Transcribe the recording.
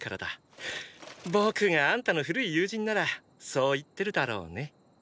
僕があんたの古い友人ならそう言ってるだろうね。